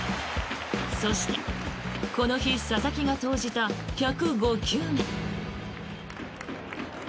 そして、この日佐々木が投じた１０５球目。